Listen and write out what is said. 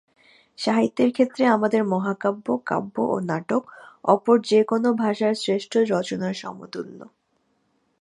সাহিত্যের ক্ষেত্রে আমাদের মহাকাব্য, কাব্য ও নাটক অপর যে-কোন ভাষার শ্রেষ্ঠ রচনার সমতুল্য।